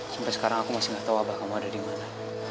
sampai sekarang aku masih gak tau abah kamu ada dimana